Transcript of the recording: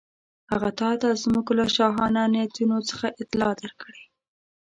هغه تاته زموږ له شاهانه نیتونو څخه اطلاع درکړې.